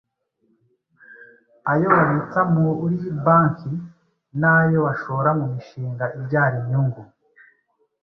ayo babitsa muri banki, n’ayo bashora mu mishinga ibyara inyungu.